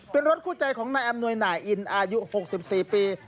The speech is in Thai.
เป็นรถคู่ใจของนายอำนวยหน่ายอินอายุ๖๔ปี